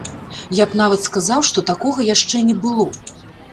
Я б нават сказаў, што такога яшчэ не было.